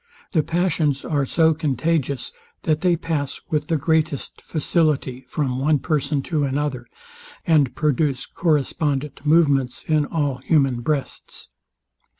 The passions are so contagious, that they pass with the greatest facility from one person to another, and produce correspondent movements in all human breasts.